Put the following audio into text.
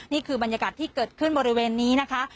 นี่คือบรรยากาศที่เกิดขึ้นบริเวณนี้นะคะ